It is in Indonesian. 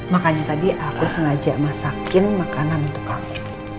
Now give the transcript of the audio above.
makanya tadi aku sengaja masakin makanan untuk kalian